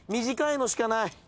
短いのしかない。